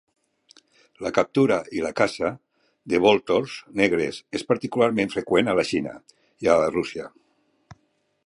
La captura i la caça de voltors negres és particularment freqüent a la Xina i a Rússia.